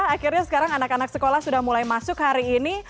akhirnya sekarang anak anak sekolah sudah mulai masuk hari ini